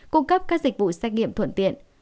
cung cấp các dịch vụ xét nghiệm thuận tiện